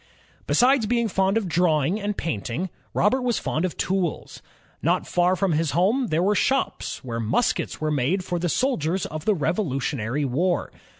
Besides being fond of drawing and painting, Robert was fond of tools. Not far from bis home, there were shops where muskets were made for the soldiers of the Rev olutionary War.